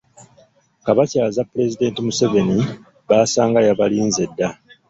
Kabakyaza Pulezidenti Museveni baasanga yabalinze dda.